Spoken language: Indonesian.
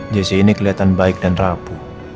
jc ini kelihatan baik dan rapuh